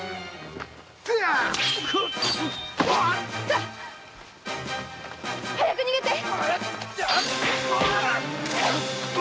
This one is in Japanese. さ早く逃げて！